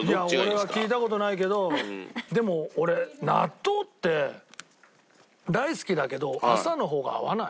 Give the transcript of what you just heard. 俺は聞いた事ないけどでも俺納豆って大好きだけど朝の方が合わない？